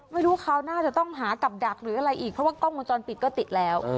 ไม่รู้คราวหน้าจะต้องหากับดักหรืออะไรอีกเพราะว่ากล้องวงจรปิดก็ติดแล้ว